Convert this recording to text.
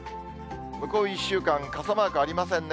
向こう１週間、傘マークありませんね。